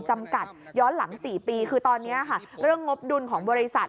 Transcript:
จำกัดย้อนหลัง๔ปีคือตอนนี้ค่ะเรื่องงบดุลของบริษัท